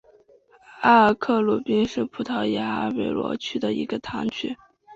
阿尔克鲁宾是葡萄牙阿威罗区的一个堂区。